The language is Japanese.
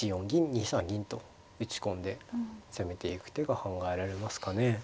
２三銀と打ち込んで攻めていく手が考えられますかね。